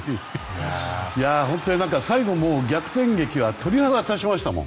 本当に最後の逆転劇は鳥肌立ちましたもん。